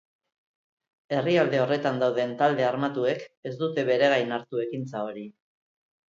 Herrialde horretan dauden talde armatuek ez dute bere gain hartu ekintza hori.